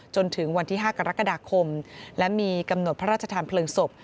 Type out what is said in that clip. จนถึงวันที่๕กรกฎาคมและมีกำหนดพระราชทานเพลิงศพ